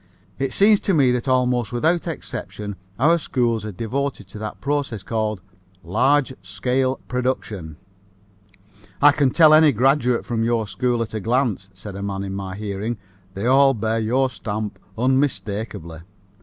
It seems to me that almost without exception our schools are devoted to that process called "large scale production." "I can tell any graduate of your school at a glance," said a man in my hearing. "They all bear your stamp unmistakably."